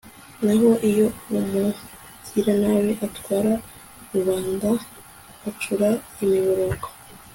naho iyo umugiranabi atwara, rubanda bacura imiborogo